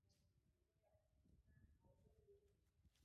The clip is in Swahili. Mzoga hufura au kuvimba